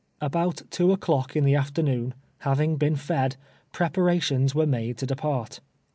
About 2 o'clock in the afternoon, having l>een fed, preparations were made to depart.